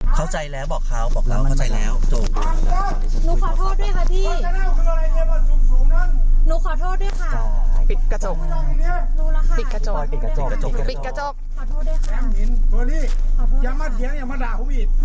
เธอมันอันตรายมากเหมือนคนบ้าง